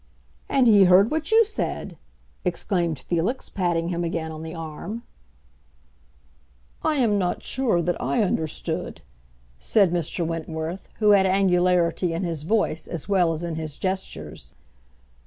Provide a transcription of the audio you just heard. "And he heard what you said!" exclaimed Felix, patting him again on the arm. "I am not sure that I understood," said Mr. Wentworth, who had angularity in his voice as well as in his gestures.